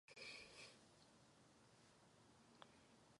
Nachází se v centrální části státu.